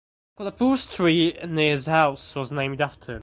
A Kolhapur street near his house was named after him.